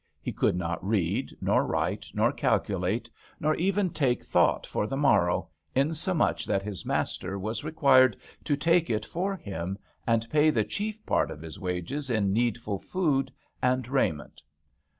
He could not read, nor write, nor calculate, nor even take thought for the morrow, insomuch that his master was required to take it for him, and pay the chief part of his wages in needful food and raiment.